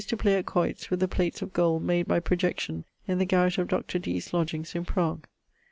] to play at quoits with the plates of gold made by projection in the garret of Dr. Dee's lodgings in Prague....